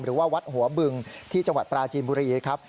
หรือว่าวัดหัวบึงที่จังหวัดปราจีนบุรีครับ